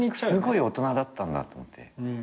すごい大人だったんだって思って。